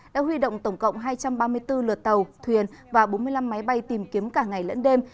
đã huy động tổng cộng hai trăm ba mươi bốn lượt tàu thuyền và bốn mươi năm máy bay tìm kiếm cả ngày lẫn đêm